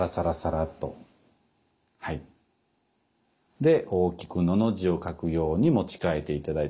で大きく「の」の字を書くように持ち替えて頂いて。